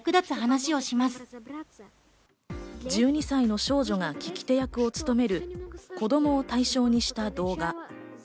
１２歳の少女が聞き手役を務める子供を対象にした動画。